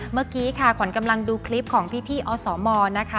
เมื่อกี้ค่ะขวัญกำลังดูคลิปของพี่อสมนะคะ